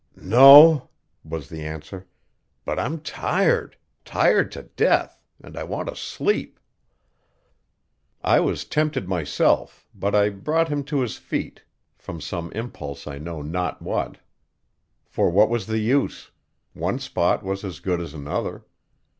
"No," was the answer. "But I'm tired tired to death and I want to sleep." I was tempted myself, but I brought him to his feet, from some impulse I know not what. For what was the use? One spot was as good as another.